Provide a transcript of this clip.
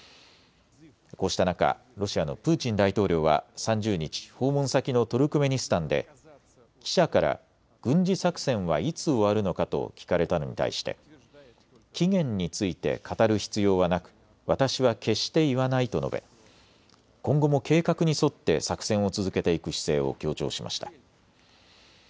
こうした中、ロシアのプーチン大統領は３０日、訪問先のトルクメニスタンで記者から軍事作戦はいつ終わるのかと聞かれたのに対して期限について語る必要はなく私は決して言わないと述べ、今後も計画に沿って作戦を続けていく姿勢を強調しました。